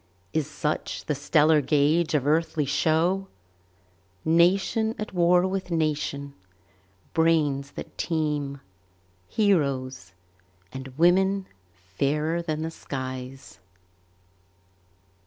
Is such the stellar gauge of earthly show, Nation at war with nation, brains that teem, Heroes, and women fairer than the skies?